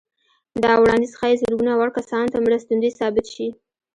دا وړانديز ښايي زرګونه وړ کسانو ته مرستندوی ثابت شي.